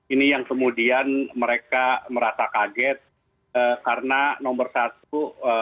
ini yang kemudian mereka merasa kaget karena nomor satu test on liner itu sudah divaksin